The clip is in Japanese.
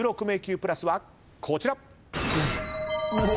１６迷宮プラスはこちら。